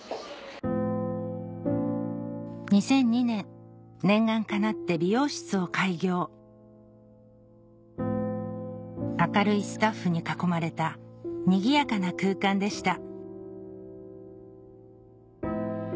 ２００２年念願かなって美容室を開業明るいスタッフに囲まれたにぎやかな空間でした